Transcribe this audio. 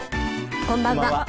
こんばんは。